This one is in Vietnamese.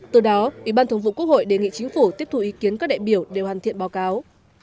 từ đó ủy ban thủng vụ quốc hội đề nghị chính phủ tiếp thu ý kiến các đại biểu đều hàn thiện báo cáo